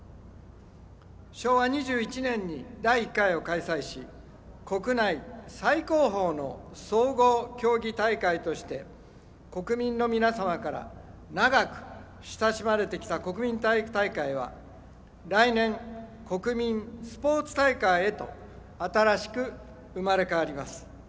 昭和二十一年に第一回を開催し国内最高峰の総合競技大会として国民の皆様から永く親しまれてきた国民体育大会は、来年国民スポーツ大会へと新しく生まれ変わります。